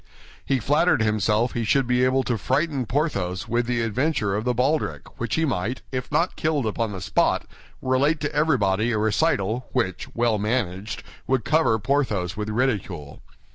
He flattered himself he should be able to frighten Porthos with the adventure of the baldric, which he might, if not killed upon the spot, relate to everybody a recital which, well managed, would cover Porthos with ridicule.